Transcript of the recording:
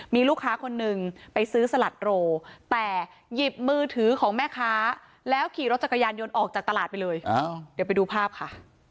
มีลูกค้าคนนึงไปซื้อสลัดโรแต่หยิบมือถือของแม่ค้าแล้วขี่รถจักรยานยนต์ออกจากตลาดไปเลยเดี๋ยวไปดูภาพค่ะ